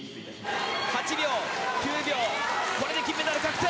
８秒、９秒これで金メダル確定。